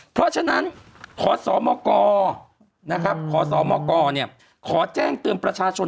เพราะฉะนั้นขอสมกขอสมกขอแจ้งเตือนประชาชน